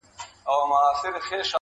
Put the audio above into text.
شمع هم د جهاني په غوږ کي وايي-